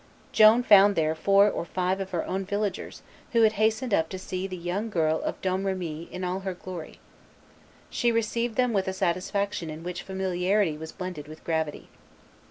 Joan found there four or five of her own villagers, who had hastened up to see the young girl of Domremy in all her glory. She received them with a satisfaction in which familiarity was blended with gravity.